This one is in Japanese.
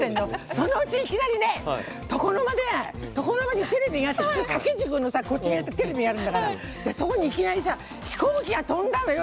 そのうち、いきなりね床の間にテレビがあって掛け軸の、こっち側テレビあるんだからそこにいきなりさ飛行機が飛んだのよ！